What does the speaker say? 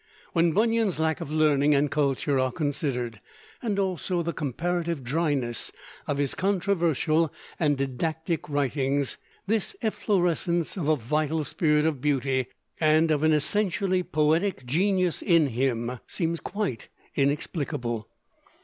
When Bunyan's lack of learning and culture are considered, and also the comparative dryness of his controversial and didactic writings, this efflorescence of a vital spirit of beauty and of an essentially poetic genius in him seems quite inexplicable.